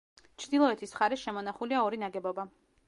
ჩრდილოეთის მხარეს შემონახულია ორი ნაგებობა.